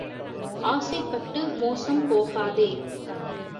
ஆசைப்பட்டு மோசம் போகாதே.